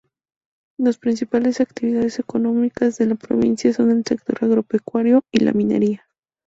Las principales actividades económicas de la provincia son el sector agropecuario y la minería.